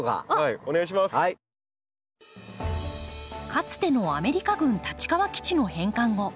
かつてのアメリカ軍立川基地の返還後